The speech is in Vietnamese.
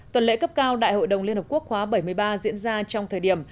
tuần lễ cấp cao đại hội đồng liên hợp quốc khóa bảy mươi ba diễn ra trong thời điểm